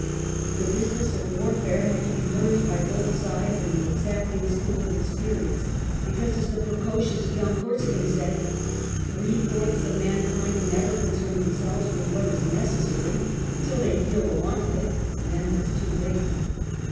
The business of warfare had to be learnt by both sides in the exacting school of experience ; because, as the precocious young Corsican said, " three fourths of mankind never concern themselves with what is necessary until they feel the want of it, and then it is too late."